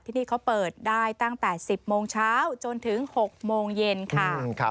ที่นี่เขาเปิดได้ตั้งแต่๑๐โมงเช้าจนถึง๖โมงเย็นค่ะ